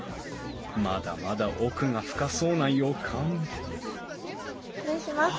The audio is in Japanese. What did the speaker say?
まだまだ奥が深そうな予感失礼します。